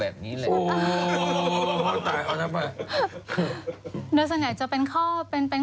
เออนี่อยู่มา๓๔๐ปีไม่เคยมีข่าวแบบนี้เลยโอ้โฮ